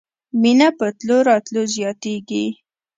مینه په تلو راتلو زیاتیږي